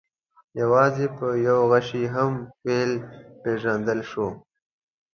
یوازې په یوه غشي هم فیل پېژندلی شو.